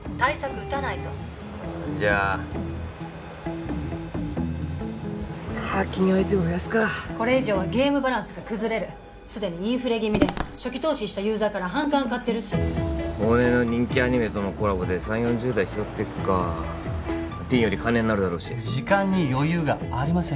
打たないとじゃあ課金アイテム増やすかこれ以上はゲームバランスが崩れる既にインフレ気味で初期投資したユーザーから反感買ってるし往年の人気アニメとのコラボで３０４０代を拾ってくかティーンより金になるだろうし時間に余裕がありません